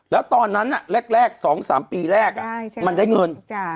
แล้วตอนนั้นอ่ะแรกแรกสองสามปีแรกอ่ะได้ใช่มันได้เงินจ้า